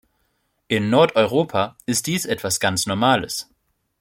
In Nordeuropa ist dies etwas ganz Normales.